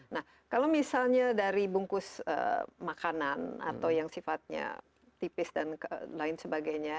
nah kalau misalnya dari bungkus makanan atau yang sifatnya tipis dan lain sebagainya